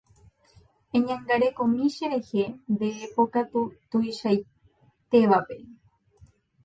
Eñangarekomi cherehe nde pokatu tuichaitévape.